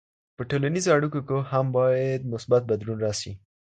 په ټولنیزو اړیکو کي هم باید مثبت بدلون راسي.